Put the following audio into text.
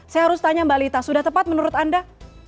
saya harus tanya mbak lita sudah tepat menurut anda